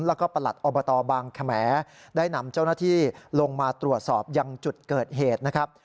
แล้วก็ประหลัดอบตบางแขมได้นำเจ้าหน้าที่ลงมาตรวจสอบยังจุดเกิดเหตุนะครับ